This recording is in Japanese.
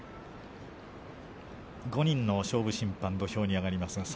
５人の勝負審判土俵に上がります。